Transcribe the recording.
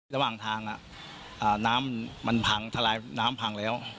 ระหว่างทางน้ำมันพังทลายน้ำพังแล้ว